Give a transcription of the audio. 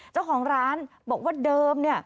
เจ้าของร้านบอกว่าเดิม